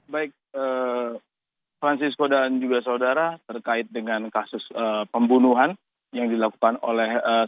baik francisco dan juga saudara terkait dengan kasus pembunuhan yang dilakukan oleh